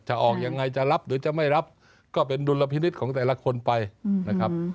ออกยังไงจะรับหรือจะไม่รับก็เป็นดุลพินิษฐ์ของแต่ละคนไปนะครับ